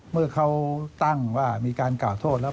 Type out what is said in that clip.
เมื่อเขาตั้งว่ามีการกล่าวโทษแล้ว